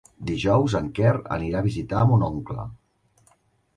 Dijous en Quer anirà a visitar mon oncle.